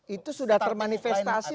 itu sudah termanifestasi